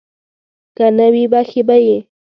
که نه وي بښي به یې.